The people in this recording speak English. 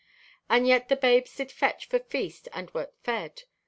"And yet the babes did fetch for feast and wert fed.